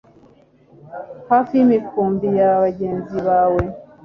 hafi y'imikumbi ya bagenzi bawe